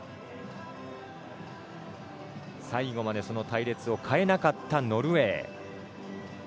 最後まで隊列を変えなかったノルウェー。